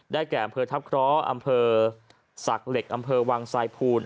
แก่อำเภอทัพเคราะห์อำเภอศักดิ์เหล็กอำเภอวังสายภูล